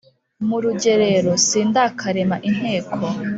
Mu rugerero sindakarema inteko